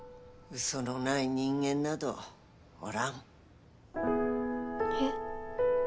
ウソのない人間などおらんえっ？